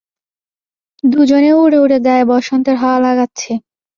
দুজনে উড়ে উড়ে গায়ে বসন্তের হাওয়া লাগাচ্ছে।